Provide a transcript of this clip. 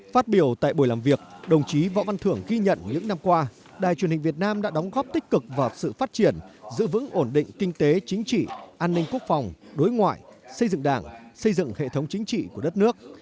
phát biểu tại buổi làm việc đồng chí võ văn thưởng ghi nhận những năm qua đài truyền hình việt nam đã đóng góp tích cực vào sự phát triển giữ vững ổn định kinh tế chính trị an ninh quốc phòng đối ngoại xây dựng đảng xây dựng hệ thống chính trị của đất nước